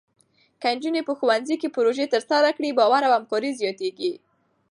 که نجونې په ښوونځي کې پروژې ترسره کړي، باور او همکاري زیاتېږي.